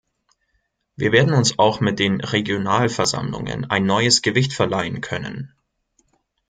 Wir werden uns auch mit den Regionalversammlungen ein neues Gewicht verleihen können.